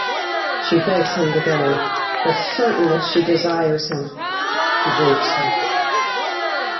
She begs him to go, but certain that she desires him, he rapes her.